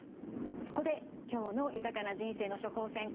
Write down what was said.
そこで今日の「豊かな人生の処方せん」